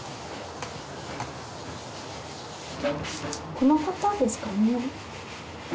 この方ですかね。